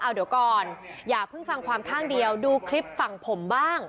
เอาเดี๋ยวก่อนอย่าเพิ่งฟังความข้างเดียวดูคลิปฝั่งผมบ้าง